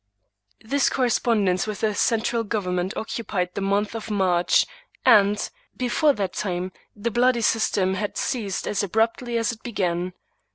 This correspondence with the central government occu pied the month of March, and, before that time, the bloody^ system had ceased as abruptly as it began.